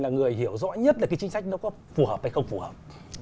là người hiểu rõ nhất là cái chính sách nó có phù hợp hay không phù hợp